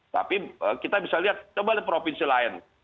tapi kita bisa lihat coba dari provinsi lain